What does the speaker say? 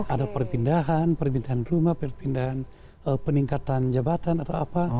ada perpindahan perpindahan rumah perpindahan peningkatan jabatan atau apa